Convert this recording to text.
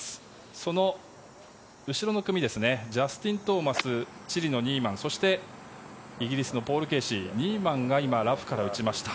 その後ろの組ジャスティン・トーマスチリのニーマンそしてイギリスのポール・ケーシーニーマンがラフから打ちました。